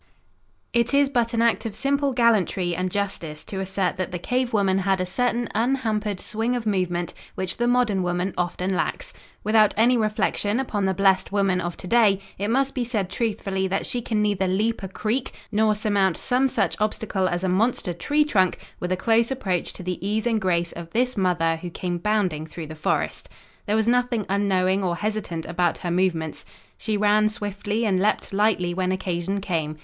It is but an act of simple gallantry and justice to assert that the cave woman had a certain unhampered swing of movement which the modern woman often lacks. Without any reflection upon the blessed woman of to day, it must be said truthfully that she can neither leap a creek nor surmount some such obstacle as a monster tree trunk with a close approach to the ease and grace of this mother who came bounding through the forest. There was nothing unknowing or hesitant about her movements. She ran swiftly and leaped lightly when occasion came.